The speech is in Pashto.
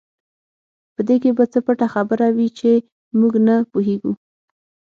په دې کې به څه پټه خبره وي چې موږ نه پوهېږو.